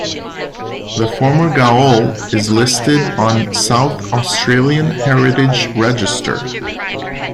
The former gaol is listed on South Australian Heritage Register.